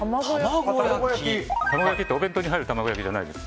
玉子焼きってお弁当に入る卵焼きじゃないです。